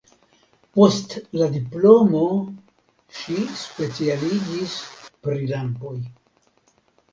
Post la diplomo ŝi specialiĝis pri lampoj.